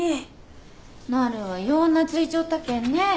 なるはよう懐いちょったけんね。